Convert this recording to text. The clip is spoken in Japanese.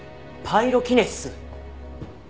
パイロキネシス？